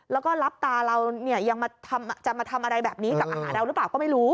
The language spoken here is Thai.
แล้วก็รับตาเราเนี่ยยังจะมาทำอะไรแบบนี้กับอาหารเราหรือเปล่าก็ไม่รู้